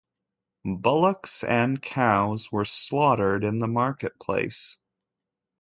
Bullocks and cows were slaughtered in the marketplace.